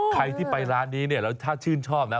ใครที่ไปร้านนี้เนี่ยแล้วถ้าชื่นชอบนะ